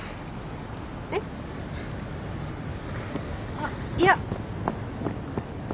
あっいや。